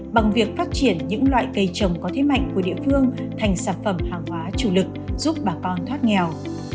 bằng việc phát triển những loại cây trồng có thế mạnh của địa phương thành sản phẩm hàng hóa chủ lực giúp bà con thoát nghèo